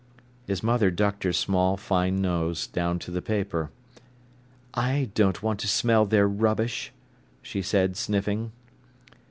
His mother ducked her small, fine nose down to the paper. "I don't want to smell their rubbish," she said, sniffing.